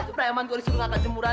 cuma emang gua disuruh ngangkat jimuran